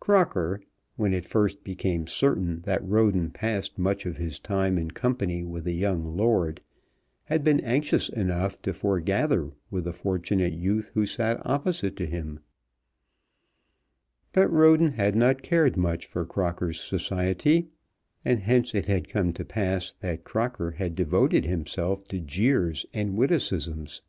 Crocker, when it first became certain that Roden passed much of his time in company with a young lord, had been anxious enough to foregather with the fortunate youth who sat opposite to him; but Roden had not cared much for Crocker's society, and hence it had come to pass that Crocker had devoted himself to jeers and witticisms.